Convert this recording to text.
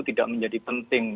tidak menjadi penting